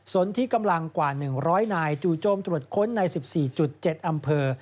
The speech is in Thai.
ส่วนที่กำลังกว่า๑๐๐นายจู่โจมตรวจค้นใน๑๔๗อำเภอ